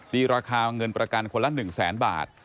ดีราคาเงินประกันคนละ๑๐๐๐๐๐บาท